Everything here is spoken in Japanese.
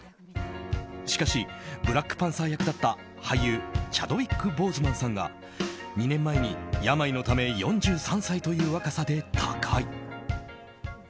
しかしブラックパンサー役だった俳優チャドウィック・ボーズマンさんが２年前に、病のため４３歳という若さで他界。